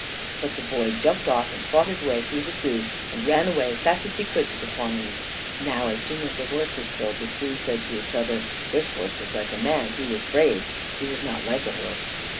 But the boy jumped off, and fought his way through the Sioux, and ran away as fast as he could to the Pawnees. Now, as soon as the horse was killed, the Sioux said to each other: "This horse was like a man. He was brave. He was not like a horse."